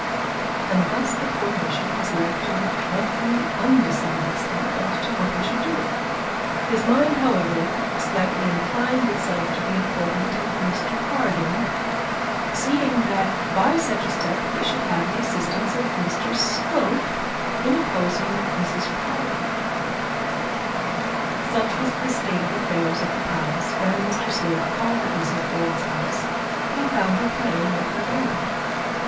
And thus the poor bishop was left in a dreadfully undecided state as to what he should do. His mind, however, slightly inclined itself to the appointment of Mr Harding, seeing that by such a step, he should have the assistance of Mr Slope in opposing Mrs Proudie. Such was the state of affairs at the palace, when Mr Slope called at Mrs Bold's house, and found her playing with her baby.